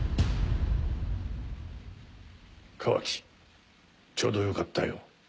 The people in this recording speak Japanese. カワキちょうどよかったよ。